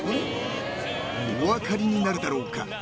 ［お分かりになるだろうか？］